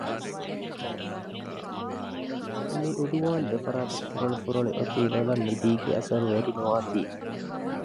މިއުވާން ދެފަރާތަށް ފުރޮޅި ފުރޮޅި އޮތީ ލޮލަށް ނިދީގެ އަސަރު ވެރިނުވާތީ